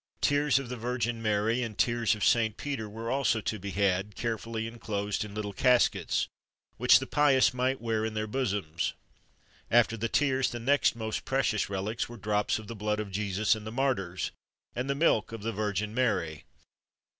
Tears of the Virgin Mary, and tears of St. Peter, were also to be had, carefully enclosed in little caskets, which the pious might wear in their bosoms. After the tears the next most precious relics were drops of the blood of Jesus and the martyrs, and the milk of the Virgin Mary.